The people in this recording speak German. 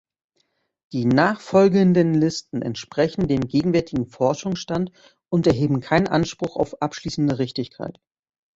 Die nachfolgenden Listen entsprechen dem gegenwärtigen Forschungsstand und erheben keinen Anspruch auf abschließende Richtigkeit.